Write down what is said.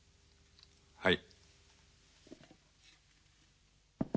はい。